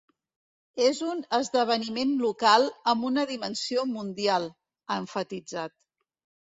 “És un esdeveniment local amb una dimensió mundial”, ha emfatitzat.